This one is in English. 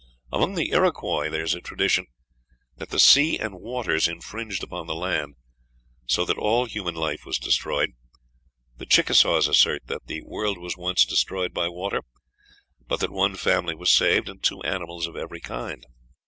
"Among the Iroquois there is a tradition that the sea and waters infringed upon the land, so that all human life was destroyed. The Chickasaws assert that the world was once destroyed by water, but that one family was saved, and two animals of every kind.